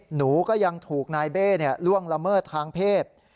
หนูก็ยังถูกนายเบ้ล่วงละเมิดทางเพศ